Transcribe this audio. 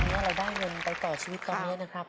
ว่าเราได้เงินไปต่อชีวิตตอนนี้นะครับ